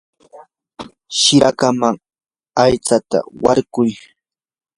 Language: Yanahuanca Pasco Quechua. shikraman aytsata warkuy.